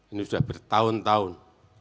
ini sudah bertahun tahun